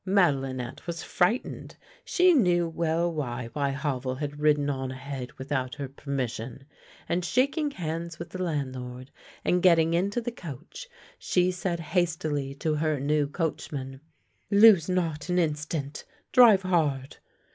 Madelinette was frightened. She knew well why Havel had ridden on ahead without her permission, and shaking hands with the landlord and getting into the coach, she said hastily to her new coachman: " Lose not an instant. Drive hard."